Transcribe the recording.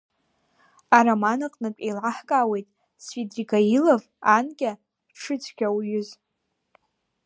Ароман аҟнытә еилаҳкаауеит Свидригаилов анкьа дшыцәгьауҩыз.